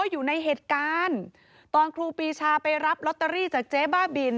อยู่ในเหตุการณ์ตอนครูปีชาไปรับลอตเตอรี่จากเจ๊บ้าบิน